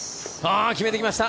決めてきました！